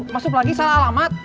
masuk lagi salah alamat